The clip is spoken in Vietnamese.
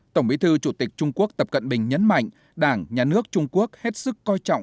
tổng bí thư chủ tịch trung quốc tập cận bình nhấn mạnh đảng nhà nước trung quốc hết sức coi trọng